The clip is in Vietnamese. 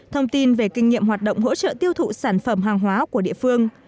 thông tin về kinh nghiệm hoạt động hỗ trợ tiêu thụ sản phẩm hàng hóa của địa phương